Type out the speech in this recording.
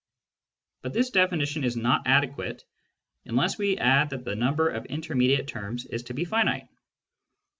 But this definition is not adequate unless we add that the number of intermediate terms is to be finite.